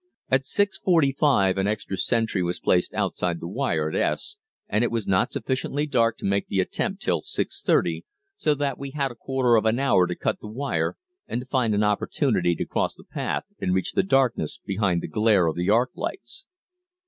At 6.45 an extra sentry was placed outside the wire at "S," and it was not sufficiently dark to make the attempt till 6.30, so that we had a quarter of an hour to cut the wire and to find an opportunity to cross the path and reach the darkness behind the glare of the arc lights.